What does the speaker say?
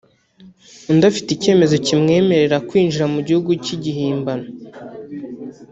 undi afite icyemezo kimwemerera kwinjira mu gihugu cy’igihimbano